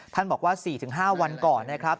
บอกว่า๔๕วันก่อนนะครับ